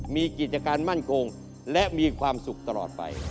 มีกิจการมั่นคงและมีความสุขตลอดไป